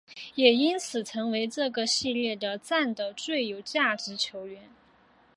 也因此成为这个系列战的最有价值球员。